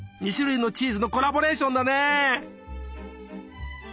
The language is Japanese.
２種類のチーズのコラボレーションだね！